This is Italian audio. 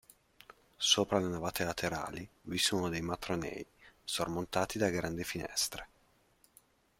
Sopra le navate laterali vi sono dei matronei, sormontati da grandi finestre.